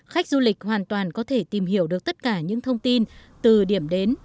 khách du lịch hoàn toàn có thể tìm hiểu được tất cả những thông tin từ điểm đến